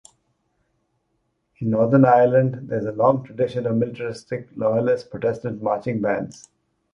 In Northern Ireland there is a long tradition of militaristic loyalist Protestant marching bands.